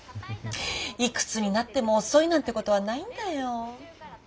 いくつになっても遅いなんてことはないんだよ。